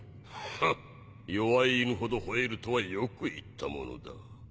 フン弱い犬ほど吠えるとはよく言ったものだ。